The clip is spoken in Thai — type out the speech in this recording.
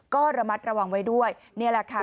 ก็ระมัดระวังไว้ด้วยนี่แหละค่ะ